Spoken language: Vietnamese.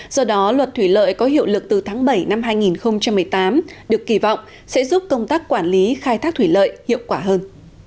do đó luật thủy lợi có hiệu lực từ tháng bảy năm hai nghìn một mươi tám được kỳ vọng sẽ giúp công tác quản lý khai thác thủy lợi hiệu quả hơn